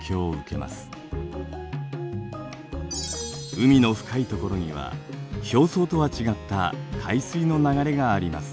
海の深いところには表層とは違った海水の流れがあります。